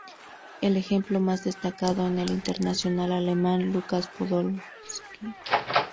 El ejemplo más destacado es el internacional alemán Lukas Podolski.